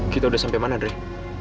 kita udah sampai mana deh